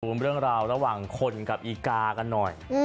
เรื่องราวระหว่างคนกับอีกากันหน่อย